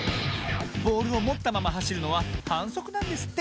ボールをもったままはしるのははんそくなんですって。